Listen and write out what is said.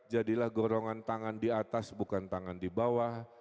jadilah gorongan tangan di atas bukan tangan di bawah